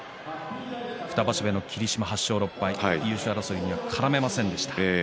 ２場所目の霧島、８勝６敗優勝争いには絡めませんでした。